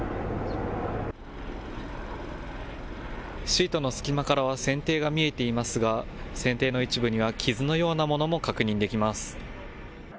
シートの隙間からは船底が見えていますが船底の一部には傷のようなものも確認できます。